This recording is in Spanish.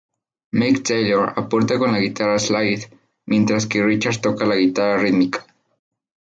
Mick Taylor aporta con la guitarra slide, mientras que Richards toca la guitarra rítmica.